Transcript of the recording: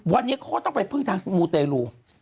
วันนี้เขาก็ต้องไปพึ่งทางมูเตรลู